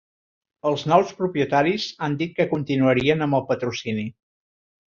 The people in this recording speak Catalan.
Els nous propietaris han dit que continuarien amb el patrocini.